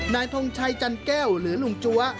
ทงชัยจันแก้วหรือลุงจั๊ว